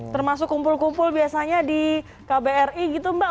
termasuk kumpul kumpul biasanya di kbri gitu mbak